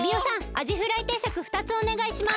アジフライ定食ふたつおねがいします。